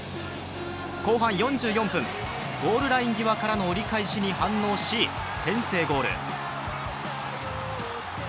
後半４４分、ゴールライン際からの折り返しに反応し先制ゴール。